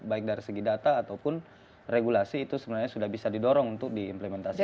baik dari segi data ataupun regulasi itu sebenarnya sudah bisa didorong untuk diimplementasikan